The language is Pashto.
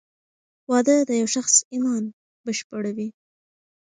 واده د یو شخص ایمان بشپړوې.